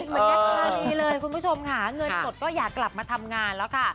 เหมือนแยกธานีเลยคุณผู้ชมค่ะเงินสดก็อยากกลับมาทำงานแล้วค่ะ